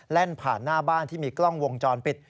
ผ่านหน้าบ้านที่มีกล้องวงจรปิด